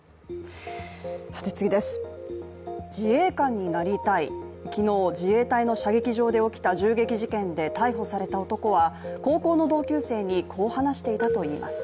自衛官になりたい、昨日、自衛隊の射撃場で起きた銃撃事件で逮捕された男は高校の同級生にこう話していたといいます。